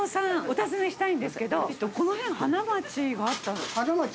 お尋ねしたいんですけどこの辺花街があった？